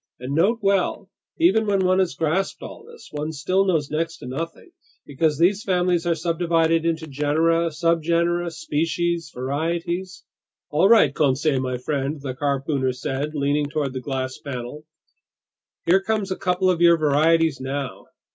"And note well, even when one has grasped all this, one still knows next to nothing, because these families are subdivided into genera, subgenera, species, varieties—" "All right, Conseil my friend," the harpooner said, leaning toward the glass panel, "here come a couple of your varieties now!"